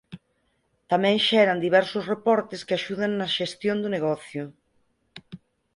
Tamén xeran diversos reportes que axudan na xestión do negocio.